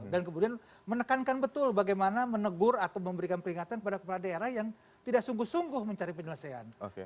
dan kemudian menekankan betul bagaimana menegur atau memberikan peringatan kepada kepala daerah yang tidak sungguh sungguh mencari penyelesaian